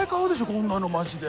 こんなのマジで！